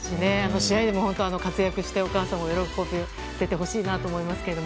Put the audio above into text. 試合でも活躍してお母さまを喜ばせてほしいなと思いますけれども。